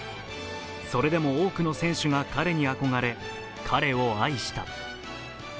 それでも多くの選手が彼に憧れ彼を愛した。